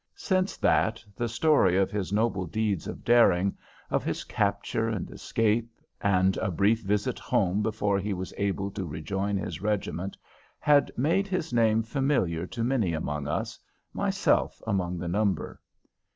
Since that the story of his noble deeds of daring, of his capture and escape, and a brief visit home before he was able to rejoin his regiment, had made his name familiar to many among us, myself among the number.